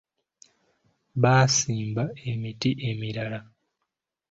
Baasimba emiti emirala.